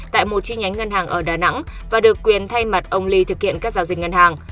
tại một chi nhánh ngân hàng ở đà nẵng và được quyền thay mặt ông ly thực hiện các giao dịch ngân hàng